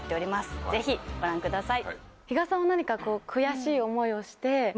ぜひご覧ください。